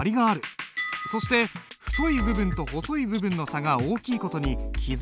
そして太い部分と細い部分の差が大きい事に気付いただろうか。